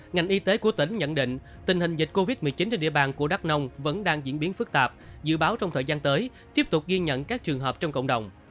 ngành y tế của tỉnh nhận định tình hình dịch covid một mươi chín trên địa bàn của đắk nông vẫn đang diễn biến phức tạp dự báo trong thời gian tới tiếp tục ghi nhận các trường hợp trong cộng đồng